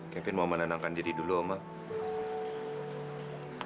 kevin mau menenangkan diri dulu oma